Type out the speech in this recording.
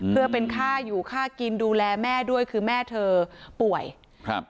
เพื่อเป็นค่าอยู่ค่ากินดูแลแม่ด้วยคือแม่เธอป่วยครับ